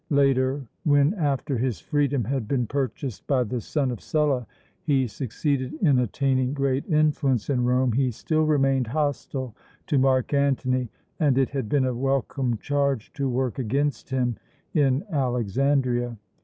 Later, when, after his freedom had been purchased by the son of Sulla, he succeeded in attaining great influence in Rome, he still remained hostile to Mark Antony, and it had been a welcome charge to work against him in Alexandria.